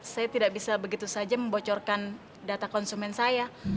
saya tidak bisa begitu saja membocorkan data konsumen saya